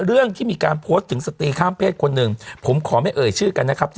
เรื่องที่มีการโพสต์ถึงสตรีข้ามเพศคนหนึ่งผมขอไม่เอ่ยชื่อกันนะครับ